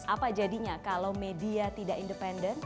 apa jadinya kalau media tidak independen